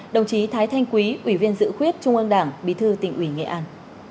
đồng chí thái thanh quý ủy viên dự khuyết trung ương đảng bí thư tỉnh ủy nghệ an